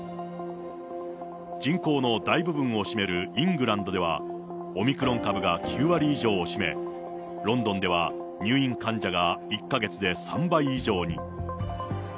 人口の大部分を占めるイングランドでは、オミクロン株が９割以上を占め、ロンドンでは入院患者が１か月で３倍以上に。